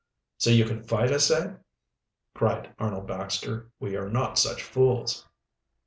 "So you can fight us, eh?" cried Arnold Baxter. "We are not such fools."